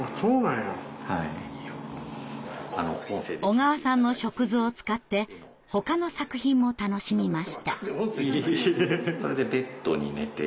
小川さんの触図を使ってほかの作品も楽しみました。